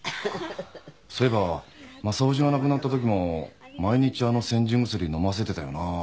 そういえばまさおじが亡くなったときも毎日あの煎じ薬飲ませてたよな。